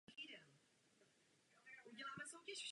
Dá se tedy použít i jako akustická kytara.